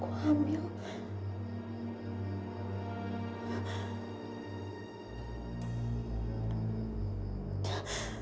aku musuh banget nitya